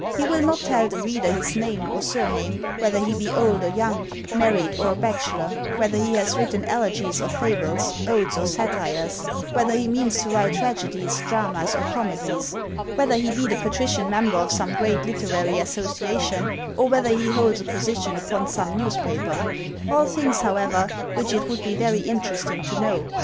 He will not tell the reader his name or surname, whether he be old or young, married or a bachelor ; whether he has written elegies or fables, odes or satires ; whether he means to write tragedies, dramas, or comedies ; whether he be the patrician member of some great literary association, or whether he holds a position upon some news paper,— all things, however, which it would be very inter esting to know.